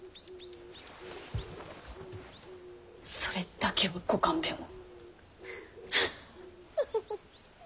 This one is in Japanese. それだけはご勘弁を。